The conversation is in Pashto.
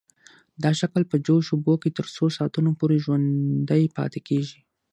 دا شکل په جوش اوبو کې تر څو ساعتونو پورې ژوندی پاتې کیږي.